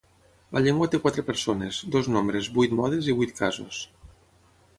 La llengua té quatre persones, dos nombres, vuit modes i vuit casos.